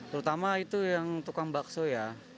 terutama itu yang tukang bakso ya